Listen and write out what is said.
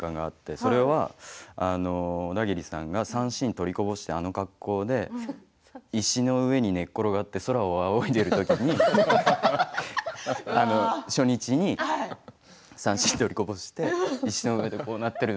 それはオダギリさんが３シーン取りこぼしてあの格好で石の上に寝っ転がって空を仰いでいるときに初日に３シーン取りこぼして石の上でこうなってるところを。